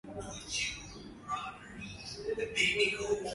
Kuwepo na matonematone kwenye maziwa yanayokamuliwa ni dalili za ndwa